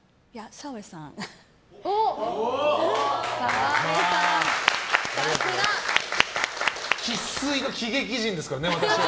澤部さん、さすが！生粋の喜劇人ですからね、私は。